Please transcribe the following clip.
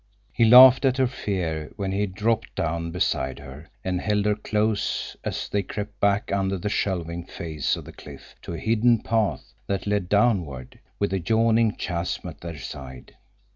He laughed at her fear when he dropped down beside her, and held her close as they crept back under the shelving face of the cliff to a hidden path that led downward, with a yawning chasm at their side.